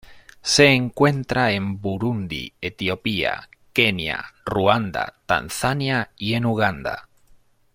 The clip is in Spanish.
Se encuentra en Burundi, Etiopía, Kenia, Ruanda, Tanzania y en Uganda.